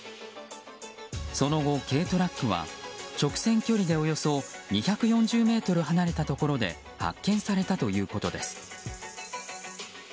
その後、軽トラックは直線距離でおよそ２４０ｍ離れたところで発見されたということです。